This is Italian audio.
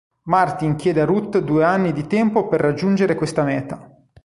Martin chiede a Ruth due anni di tempo per raggiungere questa meta.